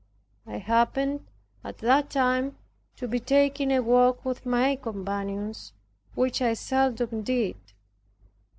I happened at that time to be taking a walk with my companions, which I seldom did.